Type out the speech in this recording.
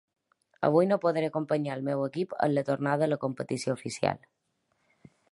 Avui no podré acompanyar el meu equip en la tornada a la competició oficial.